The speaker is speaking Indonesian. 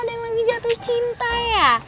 ada yang lagi jatuh cinta ya